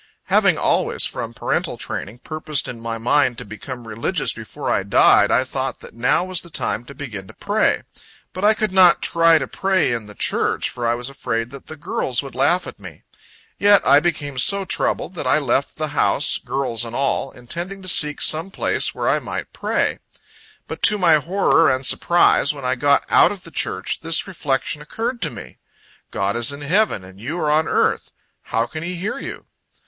Having always, from parental training, purposed in my mind to become religious before I died, I thought that now was the time to begin to pray. But I could not try to pray in the church, for I was afraid that the girls would laugh at me. Yet I became so troubled, that I left the house, girls and all, intending to seek some place where I might pray. But to my horror and surprise, when I got out of the church, this reflection occurred to me, "God is in heaven, and you are on earth: how can He hear you?"